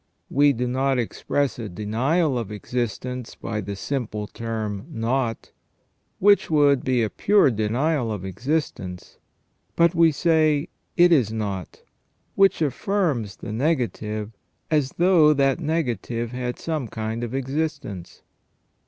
We do not express a denial of existence by the simple term not, which would be a pure denial of existence, but we say it is not, which affirms the negative, as though that negative had some kind of existence.